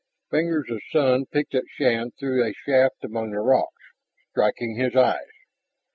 Fingers of sun picked at Shann through a shaft among the rocks, striking his eyes.